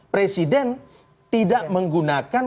presiden tidak menggunakan